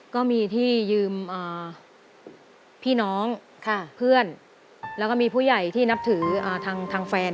ก็มีที่ยืมพี่น้องเพื่อนแล้วก็มีผู้ใหญ่ที่นับถือทางแฟน